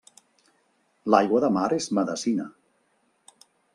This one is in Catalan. L'aigua de mar és medecina.